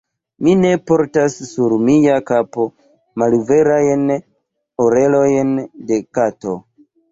Mi ne portas sur mia kapo malverajn orelojn de kato.